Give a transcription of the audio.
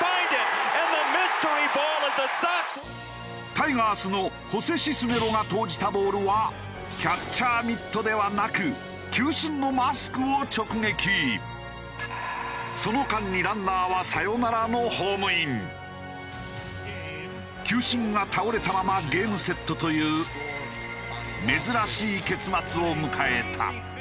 タイガースのホセ・シスネロが投じたボールはキャッチャーミットではなくその間にランナーは球審が倒れたままゲームセットという珍しい結末を迎えた。